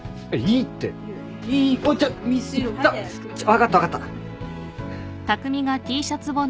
分かった分かった。